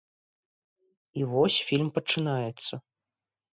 І вось, фільм пачынаецца.